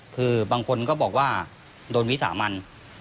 คือบางคนก็บอกว่าโดนวิสามัน